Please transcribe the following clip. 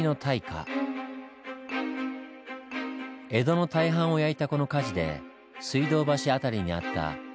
江戸の大半を焼いたこの火事で水道橋辺りにあった「吉祥寺」というお寺も焼け